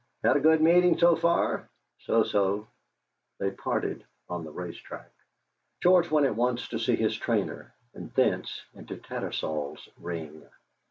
"Had a good meeting so far?" "So so." They parted on the racecourse. George went at once to see his trainer and thence into Tattersalls' ring.